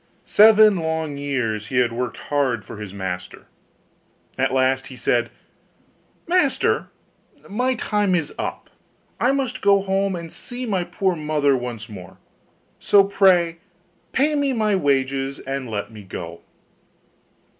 Seven long years he had worked hard for his master. At last he said, 'Master, my time is up; I must go home and see my poor mother once more: so pray pay me my wages and let me go.